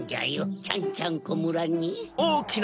ちゃんちゃんこむらに。